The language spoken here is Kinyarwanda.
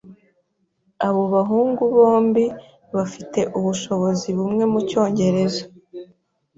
Abo bahungu bombi bafite ubushobozi bumwe mucyongereza.